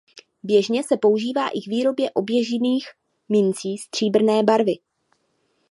Běžně se používá i k výrobě oběžných mincí stříbrné barvy.